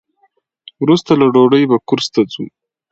وروسته له ډوډۍ به کورس ته ځو.